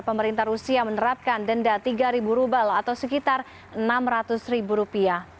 pemerintah rusia menerapkan denda rp tiga atau sekitar rp enam ratus